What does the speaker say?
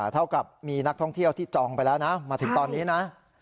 เท่ากับมีนักท่องเที่ยวที่จองไปแล้วนะมาถึงตอนนี้นะ